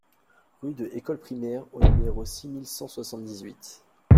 Rue de École Primaire au numéro six mille cent soixante-dix-huit